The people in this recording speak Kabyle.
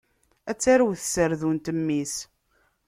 Ad tarew tserdunt mmi-s.